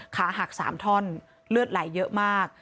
ขาหัก๓ท่อนเลือดไหลเยอะมาก